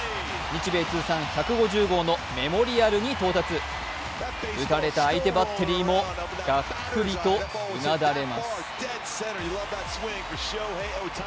日米通算１５０号のメモリアルに到達打たれた相手バッテリーもがっくりとうなだれます。